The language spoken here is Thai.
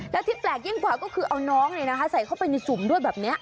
และที่แปลกยิ่งกว่าก็คือเอาน้องใส่เข้าไปในสุ่มด้วยแบบนี้